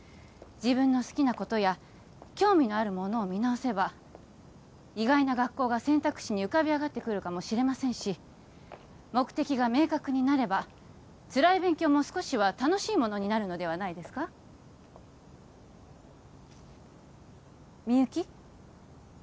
自分の好きなことや興味のあるものを見直せば意外な学校が選択肢に浮かび上がってくるかもしれませんし目的が明確になればつらい勉強も少しは楽しいものになるのではないですかみゆき？